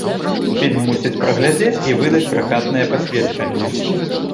Фільм мусяць прагледзець і выдаць пракатнае пасведчанне.